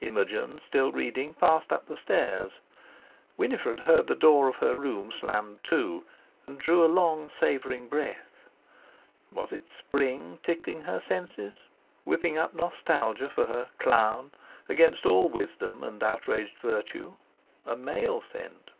Imogen, still reading, passed up the stairs. Winifred heard the door of her room slammed to, and drew a long savouring breath. Was it spring tickling her senses—whipping up nostalgia for her "clown," against all wisdom and outraged virtue? A male scent!